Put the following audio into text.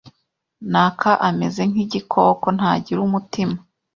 naka ameze nk’igikoko, ntagira umutima,